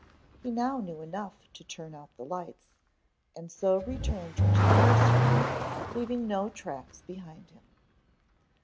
He now knew enough to turn out the lights, and so returned to the nursery, leaving no tracks behind him.